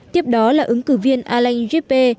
tiếp đó là ứng cử viên alain juppé